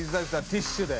ティッシュで。